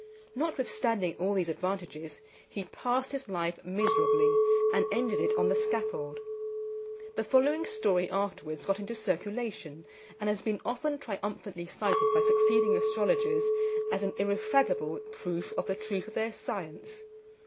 Notwithstanding all these advantages, he passed his life miserably, and ended it on the scaffold. The following story afterwards got into circulation, and has been often triumphantly cited by succeeding astrologers as an irrefragable proof of the truth of their science.